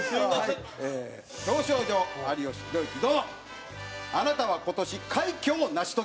「表彰状、有吉弘行殿」。